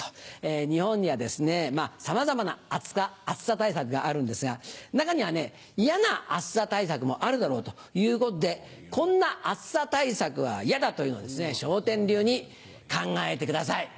日本にはさまざまな暑さ対策があるんですが中にはね嫌な暑さ対策もあるだろうということで「こんな暑さ対策は嫌だ」というのを笑点流に考えてください。